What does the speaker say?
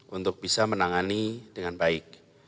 untuk bisa menangani dengan baik